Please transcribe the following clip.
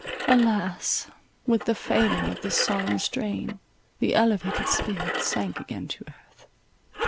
Alas! with the failing of this solemn strain, the elevated spirit sank again to earth.